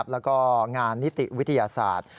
แล้วก็งานนิติวิทยาศาสตร์